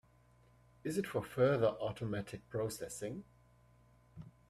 Is it for further automatic processing?